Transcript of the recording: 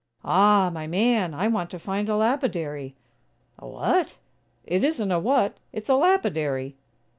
"Ah, my man! I want to find a lapidary." "A what?" "It isn't a 'what,' it's a lapidary."